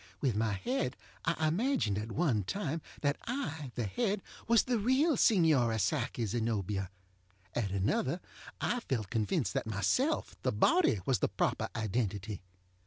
With my head I imagined, at one time, that I, the head, was the real Signora Psyche ZenobiaŌĆöat another I felt convinced that myself, the body, was the proper identity.